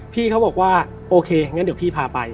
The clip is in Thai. พี่เขาบอกว่าโอเคงั้นเดี๋ยวพี่พาไป